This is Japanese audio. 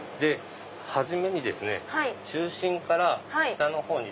初めに中心から下のほうに。